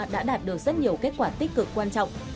đã đạt được rất nhiều kết quả tích cực quan trọng